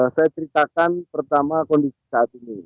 saya ceritakan pertama kondisi saat ini